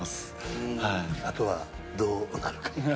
あとはどうなるか。